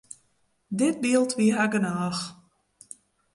Dit byld wie har genôch.